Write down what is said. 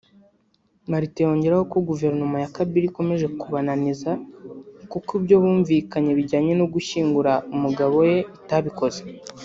Marthe yongeraho ko Guverinoma ya Kabila ikomeje kubananiza kuko ibyo bumvikanye bijyanye no gushyingura umugabo we itabikoze